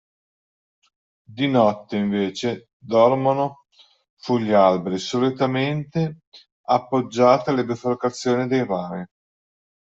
Di notte, invece, dormono sugli alberi, solitamente appoggiate alle biforcazioni dei rami.